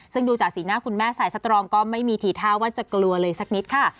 ซึ่งดูจากสีหน้าคุณแม่สายสตรองก็ไม่มีทีท่าว่าจะกลัวเลยสักนิดค่ะ